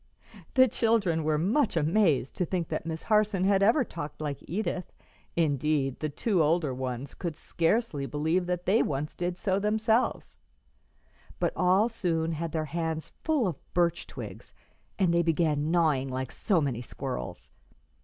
'" The children were much amazed to think that Miss Harson had ever talked like Edith indeed, the two older ones could scarcely believe that they once did so themselves; but all soon had their hands full of birch twigs, and they began gnawing like so many squirrels.